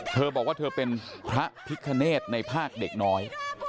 เธอบอกว่าเธอเป็นพระพิคเนธในภาคเด็กน้อย